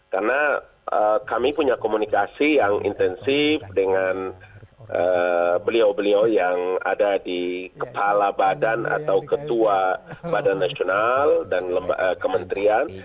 karena kami punya komunikasi yang intensif dengan beliau beliau yang ada di kepala badan atau ketua badan nasional dan kementerian